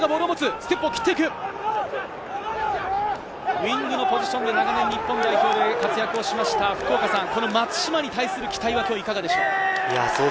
ウイングのポジションの日本代表で活躍をしました松島に対する期待はいかがでしょう？